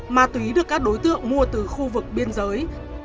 ma túy được các đối tượng mua từ khu vực biên giới